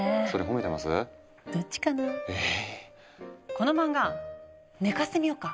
この漫画寝かしてみようか？